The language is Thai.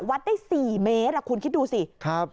วัดได้๔เมตรคุณคิดดูสิครับ